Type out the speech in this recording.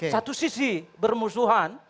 satu sisi bermusuhan